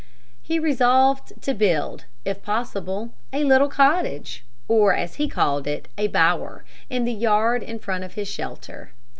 He resolved to build, if possible, a little cottage, or, as he called it, a bower, in the yard in front of his shelter.